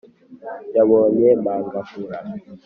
yabonye magahura